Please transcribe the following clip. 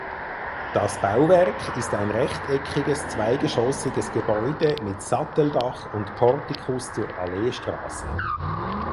Das Bauwerk ist ein rechteckiges zweigeschossiges Gebäude mit Satteldach und Portikus zur Alleestraße.